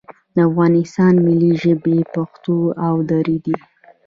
د افغانستان ملي ژبې پښتو او دري دي